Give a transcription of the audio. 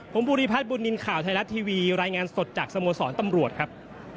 ผมภูริพัฒนบุญนินทร์ข่าวไทยรัฐทีวีรายงานสดจากสโมสรตำรวจครับ